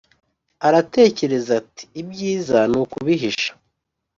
aratekereza ati «ibyiza ni ukubihisha.»